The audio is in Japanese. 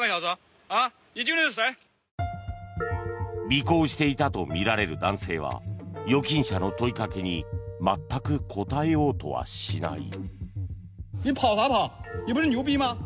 尾行していたとみられる男性は預金者の問いかけに全く答えようとはしない。